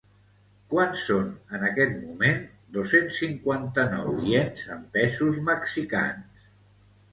Quant són en aquest moment dos-cents cinquanta-nou iens en pesos mexicans?